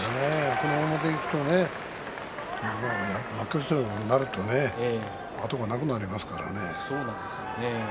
このままでいくとね負け越しとかになるとね後がなくなりますからね。